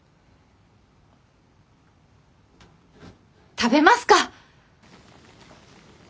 食べますか！